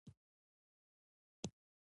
تیارو ته وایه، زمانه یې اورې